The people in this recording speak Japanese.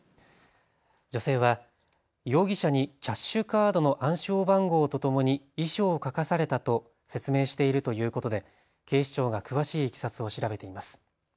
女性は容疑者にキャッシュカードの暗証番号とともに遺書を書かされたと説明しているということで警視庁が詳しいいきさつを調べています。